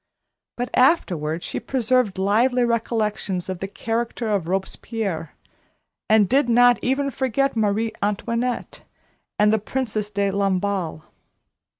But afterward she preserved lively recollections of the character of Robespierre, and did not even forget Marie Antoinette and the Princess de Lamballe.